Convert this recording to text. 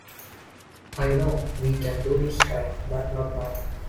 I know we can do this right, but not now.